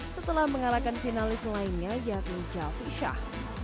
setelah mengalahkan finalis lainnya yakni jalvi shah